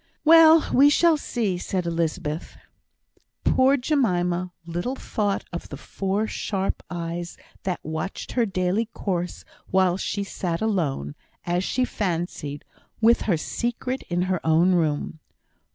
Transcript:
"Well! we shall see," said Elizabeth. Poor Jemima little thought of the four sharp eyes that watched her daily course while she sat alone, as she fancied, with her secret in her own room.